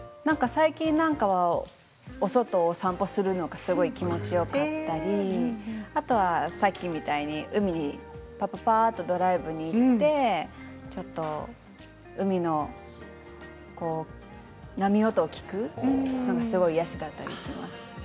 最近なんかはお外を散歩するのがすごい気持ちよかったりあと、さっきみたいに海にぱぱっとドライブに行ってちょっと海の波の音を聞くすごい癒やしだったりします。